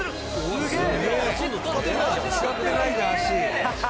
すげえ！